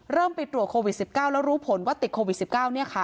เริ่มไปตรวจโควิด๑๙แล้วรู้ผลว่าติดโควิด๑๙เนี่ยค่ะ